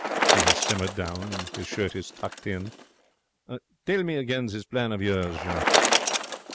He 'as simmered down. His shirt is tucked in. 'Tell me again this plan of yours, Jean.'